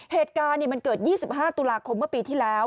เหตุการณ์มันเกิด๒๕ตุลาคมเมื่อปีที่แล้ว